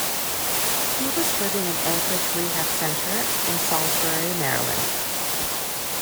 He was living in Anchorage Rehab Center in Salisbury, Maryland.